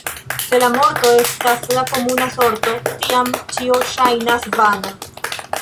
Se la morto estas la komuna sorto, tiam ĉio ŝajnas vana.